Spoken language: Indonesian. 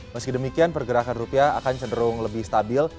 meski demikian pergerakan rupiah akan cenderung lebih stabil